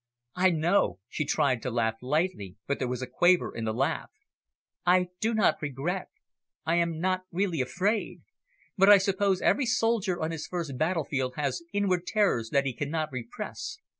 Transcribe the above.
"I know." She tried to laugh lightly, but there was a quaver in the laugh. "I do not regret. I am not really afraid. But I suppose every soldier on his first battlefield has inward tremors that he cannot repress.